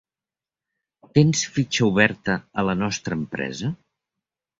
Tens fitxa oberta a la nostra empresa?